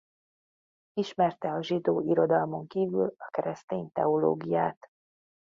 Ismerte a zsidó irodalmon kívül a keresztény teológiát.